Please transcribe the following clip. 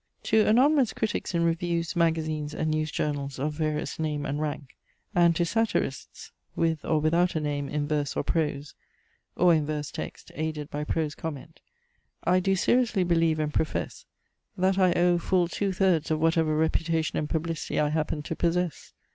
To anonymous critics in reviews, magazines, and news journals of various name and rank, and to satirists with or without a name in verse or prose, or in verse text aided by prose comment, I do seriously believe and profess, that I owe full two thirds of whatever reputation and publicity I happen to possess.